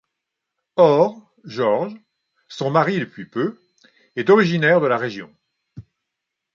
Or, George, son mari depuis peu, est originaire de la région.